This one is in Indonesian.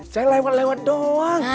saya lewat lewat doang